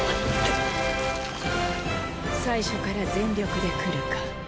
最初から全力でくるか。